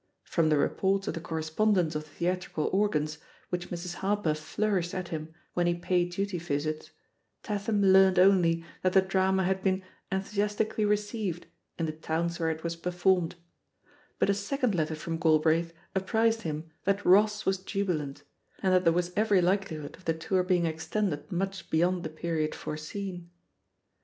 From the reports of the correspondents of the theatrical organs, which Mrs. Harper flourished at him when he paid duty visits, Tatham learnt only that the dxama had been "enthusiastically received" in the towns where it was performed; but a second letter from Galbraith apprised him that Ross was jubilant, and that there was every likelihood of the tour being extended much be yond the period foreseen.